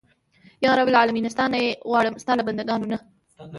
یا رب العالمینه ستا نه یې غواړم ستا له بنده ګانو نه.